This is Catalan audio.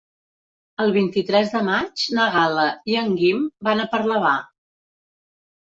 El vint-i-tres de maig na Gal·la i en Guim van a Parlavà.